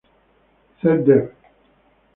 Cell Dev.